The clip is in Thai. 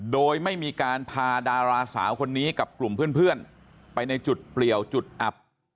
โดยไม่มีการพาดาราสาวคนนี้กับกลุ่มเพื่อนไปในจุดเปลี่ยวจุดอับ